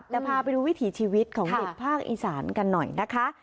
แต่พาไปดูวิถีชีวิตของเด็กภาคอีสานกันหน่อยนะคะ